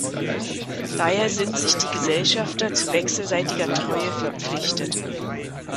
Daher sind sich die Gesellschafter zu wechselseitiger Treue verpflichtet.